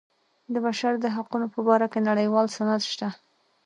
د بشر د حقونو په باره کې نړیوال سند شته.